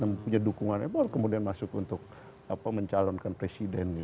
mempunyai dukungan kemudian masuk untuk mencalonkan presiden